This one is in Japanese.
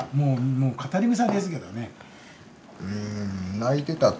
もう語りぐさですけどね。